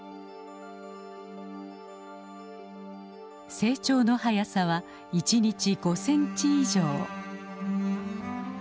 成長の速さは１日５センチ以上。